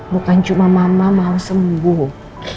bukan cuma mama mau sembuh